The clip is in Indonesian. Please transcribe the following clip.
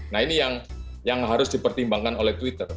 nah ini yang harus dipertimbangkan oleh twitter